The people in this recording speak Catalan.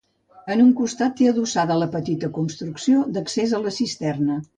En un costat té adossada la petita construcció d'accés a la cisterna.